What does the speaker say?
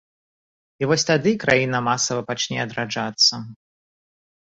І вось тады краіна масава пачне адраджацца.